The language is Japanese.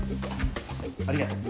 ありがとう。